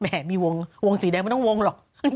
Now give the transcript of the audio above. มีวงสีแดงไม่ต้องวงหรอก